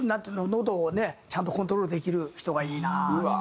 喉をねちゃんとコントロールできる人がいいな。